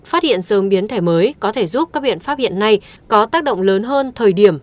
phát hiện sớm biến thể mới có thể giúp các biện pháp hiện nay có tác động lớn hơn thời điểm